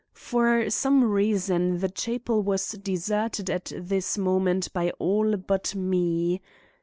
For some reason the chapel was deserted at this moment by all but me.